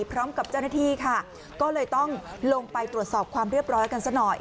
พร้อมกับเจ้าหน้าที่ค่ะก็เลยต้องลงไปตรวจสอบความเรียบร้อยกันซะหน่อย